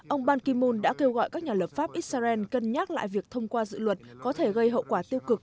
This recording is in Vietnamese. ông ban kimon đã kêu gọi các nhà lập pháp israel cân nhắc lại việc thông qua dự luật có thể gây hậu quả tiêu cực